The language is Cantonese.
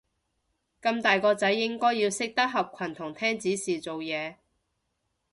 咁大個仔應該要識得合群同聽指示做嘢